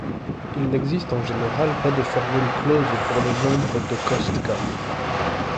Il n'existe en général pas de formules closes pour les nombres de Kostka.